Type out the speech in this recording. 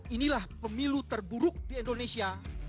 inilah pemilu terburuk di indonesia